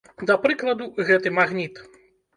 Ды прыкладу, гэты магніт.